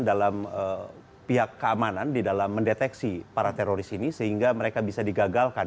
jadi saya rasa saya harus mengatakan bahwa ada perbaikan dalam pihak keamanan di dalam mendeteksi para teroris ini sehingga mereka bisa digagalkan